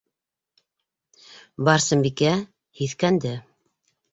Барсынбикә һиҫкәнде.